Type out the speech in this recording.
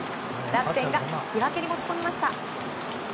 楽天が引き分けに持ち込みました。